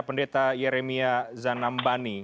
pendeta yeremia zanambani